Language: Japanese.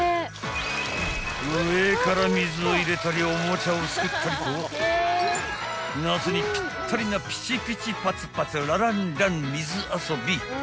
［上から水を入れたりおもちゃをすくったりと夏にぴったりなぴちぴちパツパツラランラン水遊び］